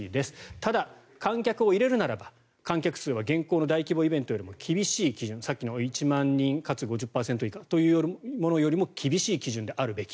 ただ、観客を入れるならば観客数は現行の大規模イベントよりも厳しい基準さっきの１万人かつ５０％以下というものよりも厳しい基準であるべき。